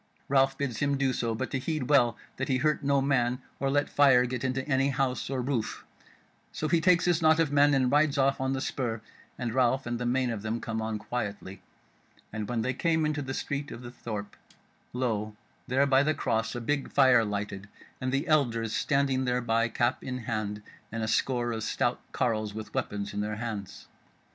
Ralph bids him so do, but to heed well that he hurt no man, or let fire get into any house or roof; so he takes his knot of men and rides off on the spur, and Ralph and the main of them come on quietly; and when they came into the street of the thorp, lo there by the cross a big fire lighted, and the elders standing thereby cap in hand, and a score of stout carles with weapons in their hands.